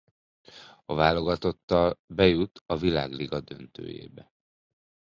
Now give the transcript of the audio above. A válogatottal bejut a Világliga döntőjébe.